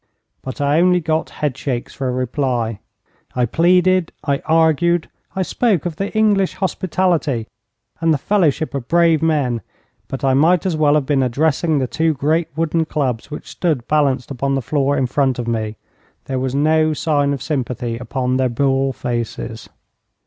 But I only got head shakes for a reply. I pleaded, I argued, I spoke of the English hospitality and the fellowship of brave men, but I might as well have been addressing the two great wooden clubs which stood balanced upon the floor in front of me. There was no sign of sympathy upon their bull faces.